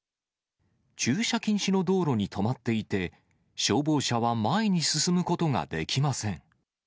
駐車禁止の道路に止まっていて、消防車は前に進むことができません。